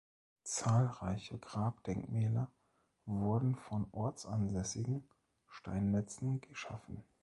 Zahlreiche Grabdenkmäler wurden von ortsansässigen Steinmetzen geschaffen.